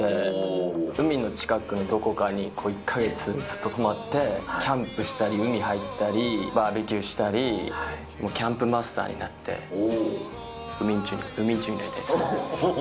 海の近くのどこかに１か月ずっと泊まって、キャンプしたり、海入ったり、バーベキューしたり、キャンプマスターになって、海人になりたい。